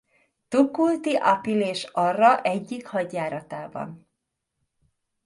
Tukulti-apil-ésarra egyik hadjáratában.